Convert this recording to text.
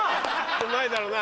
うまいだろうな